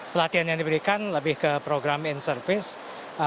pelatihan yang diberikan lebih ke program in service